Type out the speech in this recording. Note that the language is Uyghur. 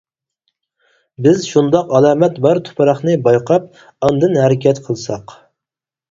بىز شۇنداق ئالامەت بار تۇپراقنى بايقاپ، ئاندىن ھەرىكەت قىلساق.